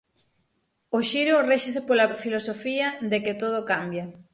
'O xiro' réxese pola filosofía de que todo cambia.